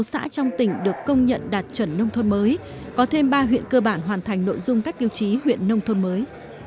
sáu xã trong tỉnh được công nhận đạt chuẩn nông thôn mới có thêm ba huyện cơ bản hoàn thành nội dung các tiêu chí huyện nông thôn mới